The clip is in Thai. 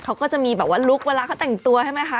เขาก็จะมีแบบว่าลุคเวลาเขาแต่งตัวใช่ไหมคะ